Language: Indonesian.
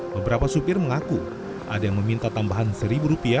beberapa supir mengaku ada yang meminta tambahan rp satu